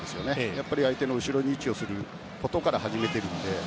やっぱり相手の後ろに位置することから始めているので。